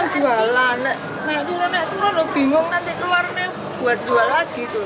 nanti orang orang itu udah bingung nanti keluar buat jual lagi tuh